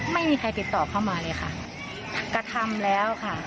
ไม่มีใครติดต่อเข้ามาเลยค่ะกระทำแล้วค่ะ